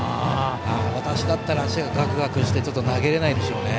私だったら足がガクガクして投げられないでしょうね。